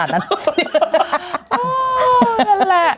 อ้าวนั่นแหละ